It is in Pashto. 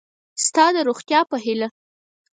ستا د روغتیا په هیله